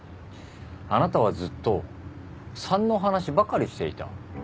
あなたはずっと３の話ばかりしていた。